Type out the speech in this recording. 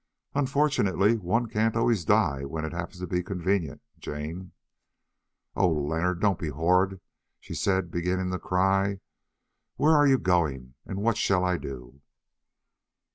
"Unfortunately one can't always die when it happens to be convenient, Jane." "Oh! Leonard, don't be horrid," she said, beginning to cry. "Where are you going, and what shall I do?"